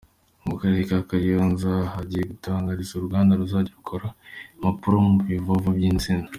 Mu karere ka Kayonza hagiye gutangizwa uruganda ruzajya rukora impapuro mu bivovo by’insina.